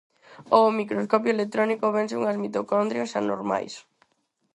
Ó microscopio electrónico vense unhas mitocondrias anormais.